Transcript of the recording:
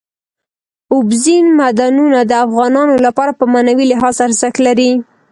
اوبزین معدنونه د افغانانو لپاره په معنوي لحاظ ارزښت لري.